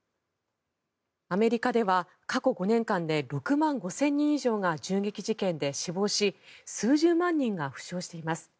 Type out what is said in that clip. アメリカでは過去５年間で６万５０００人以上が銃撃事件で死亡し数十万人が負傷しています。